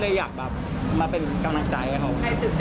เลยอยากมามาเป็นกำลังใจกับเขา